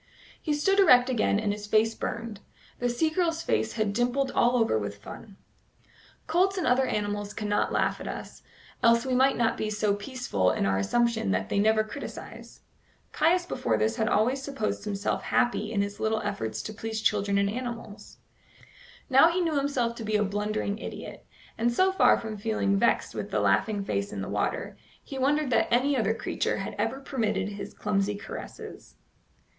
He stood erect again, and his face burned. The sea girl's face had dimpled all over with fun. Colts and other animals cannot laugh at us, else we might not be so peaceful in our assumption that they never criticise. Caius before this had always supposed himself happy in his little efforts to please children and animals; now he knew himself to be a blundering idiot, and so far from feeling vexed with the laughing face in the water, he wondered that any other creature had ever permitted his clumsy caresses.